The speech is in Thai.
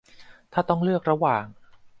ถ้าต้องเลือกระหว่าง